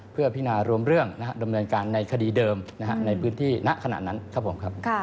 เพื่อพินารวมเรื่องดำเนินการในคดีเดิมในพื้นที่ณขณะนั้นครับผมครับ